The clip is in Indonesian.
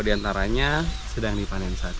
diantaranya sedang dipanen saat ini